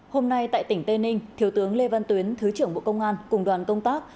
hôm nay tại tỉnh tây ninh thiếu tướng lê văn tuyến thứ trưởng bộ công an cùng đoàn công tác